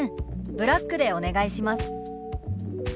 ブラックでお願いします」。